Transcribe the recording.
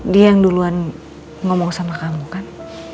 dia yang duluan ngomong sama kamu kan